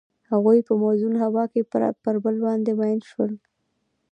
هغوی په موزون هوا کې پر بل باندې ژمن شول.